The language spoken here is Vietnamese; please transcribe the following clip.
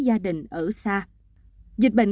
gia đình ở xa dịch bệnh